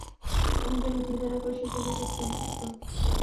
আমি যেন চিন্তা না করি সেজন্য সে চিন্তিত।